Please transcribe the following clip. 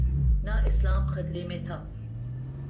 نہ اسلام خطرے میں تھا۔